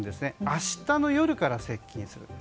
明日の夜から接近すると。